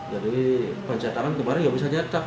jadi pencetakan kemarin nggak bisa nyetak